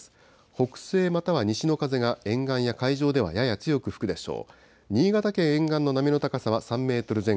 北西または西の風が沿岸や海上ではやや強く吹くでしょう。